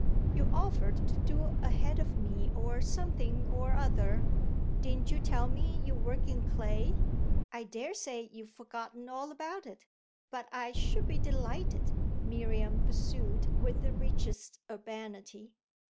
"You offered to do a head of me or something or other: didn't you tell me you work in clay? I daresay you've forgotten all about it, but I should be delighted," Miriam pursued with the richest urbanity.